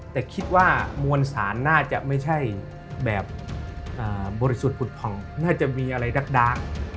แต่คิดว่ามวลสารน่าจะไม่ใช่แบบบริสุทธิ์ผุดผ่องน่าจะมีอะไรดัก